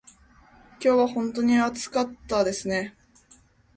今日は本当に暑かったですね。